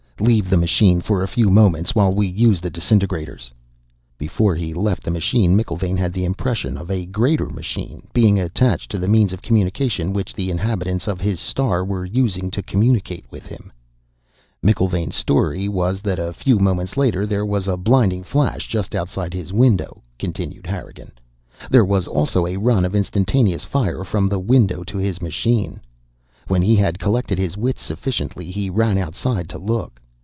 "Leave the machine for a few moments, while we use the disintegrators." Before he left the machine, McIlvaine had the impression of a greater machine being attached to the means of communication which the inhabitants of his star were using to communicate with him. "McIlvaine's story was that a few moments later there was a blinding flash just outside his window," continued Harrigan. "There was also a run of instantaneous fire from the window to his machine. When he had collected his wits sufficiently, he ran outside to look.